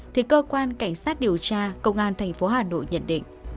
thì cơ quan cảnh sát điều tra công an tp hà nội nhận định